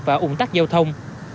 và ổn tắc giao thông